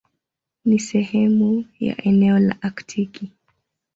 Ni sehemu ya eneo la Aktiki.